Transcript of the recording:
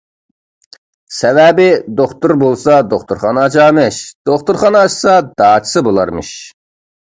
سەۋەبى، دوختۇر بولسا دوختۇرخانا ئاچارمىش، دوختۇرخانا ئاچسا داچىسى بولارمىش.